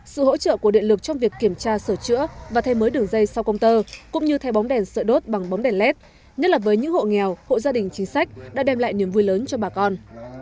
sự hỗ trợ của điện lực trong việc kiểm tra sửa chữa và thay mới đường dây sau công tơ cũng như thay bóng đèn sợi đốt bằng bóng đèn led nhất là với những hộ nghèo hộ gia đình chính sách đã đem lại niềm vui lớn cho bà con